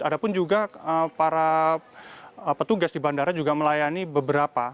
ada pun juga para petugas di bandara juga melayani beberapa